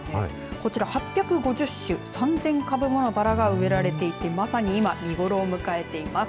こちら８５０種３０００株ものバラが植えられていてまさに今、見頃を迎えています。